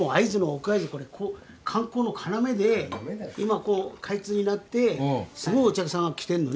会津の観光の要で今こう開通になってすごいお客さんが来てんのね。